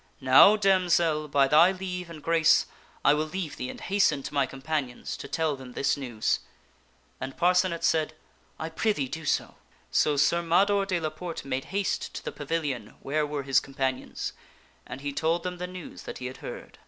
Now, damsel, by thy leave and grace, I will leave thee and hasten to my companions to tell them this news." And Parcenet said, " I prithee do so." So Sir Mador de la Porte made haste to the pavilion where were his companions, and he told them the news that he had heard.